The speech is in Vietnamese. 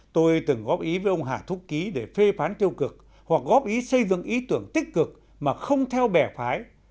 tôi từng góp ý với ông hà thúc ký để phê phán tiêu cực hoặc góp ý xây dựng ý tưởng tích cực mà không theo bẻ phái